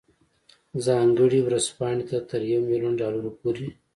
ځانګړې ورځپاڼې ته تر یو میلیون ډالرو پورې.